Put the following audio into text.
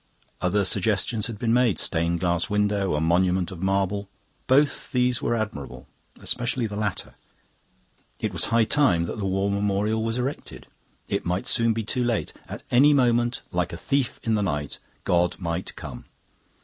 Other suggestions had been made. Stained glass windows, a monument of marble. Both these were admirable, especially the latter. It was high time that the War Memorial was erected. It might soon be too late. At any moment, like a thief in the night, God might come.